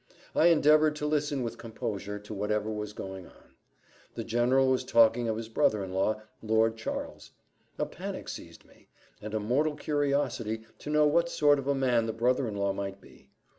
I endeavoured to listen with composure to whatever was going on. The general was talking of his brother in law, Lord Charles; a panic seized me, and a mortal curiosity to know what sort of a man the brother in law might be.